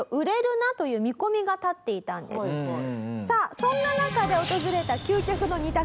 さあそんな中で訪れた究極の２択。